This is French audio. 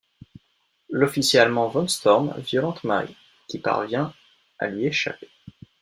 L'officier allemand Von Storm violente Marie, qui parvient à lui échapper.